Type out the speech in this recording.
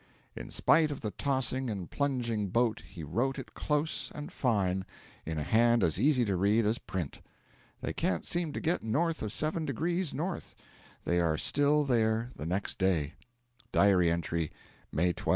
In spite of the tossing and plunging boat he wrote it close and fine, in a hand as easy to read as print. They can't seem to get north of 7 degrees N.; they are still there the next day: (Diary entry) May 12.